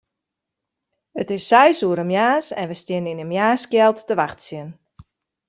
It is seis oere moarns en wy steane yn 'e moarnskjeld te wachtsjen.